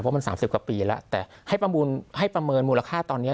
เพราะมัน๓๐กว่าปีแล้วแต่ให้ประเมินมูลค่าตอนนี้